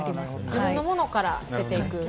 自分のものから捨てていくと。